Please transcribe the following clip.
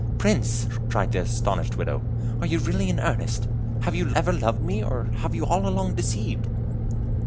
"Prince!" cried the astonished Widow, "are you really in earnest? Have you ever loved me, or have you all along deceived?"